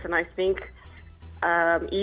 dan saya pikir